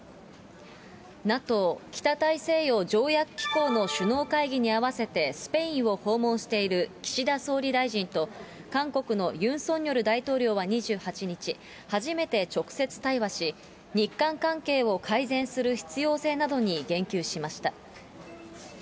ＮＡＴＯ・北大西洋条約機構の首脳会議に合わせて、スペインを訪問している岸田総理大臣と韓国のユン・ソンニョル大統領は２８日、初めて直接対話し、日韓関係を改善する必要性などに言及しました。